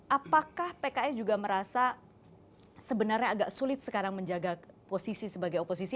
apakah pks juga merasa sebenarnya agak sulit sekarang menjaga posisi sebagai oposisi